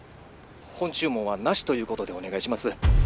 本注文はなしということでお願いします。